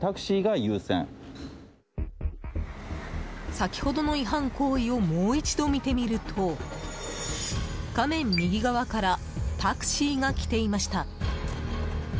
先ほどの違反行為をもう一度見てみると画面右側からタクシーが来ていました。